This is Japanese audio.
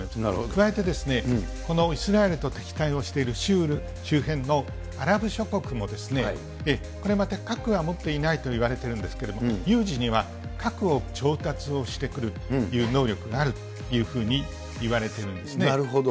加えて、このイスラエルと敵対をしている周辺のアラブ諸国も、これまた核は持っていないといわれているんですけれども、有事には核を調達をしてくるという能力があるというふうにいわれなるほど。